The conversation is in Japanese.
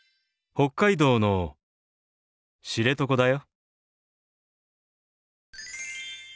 北海道の知床だよ。